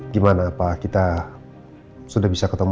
gimana pak kita sudah bisa ketemu